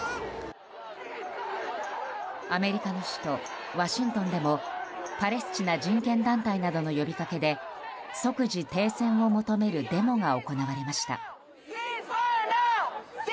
アメリカの首都ワシントンでもパレスチナ人権団体などの呼びかけで即時停戦を求めるデモが行われました。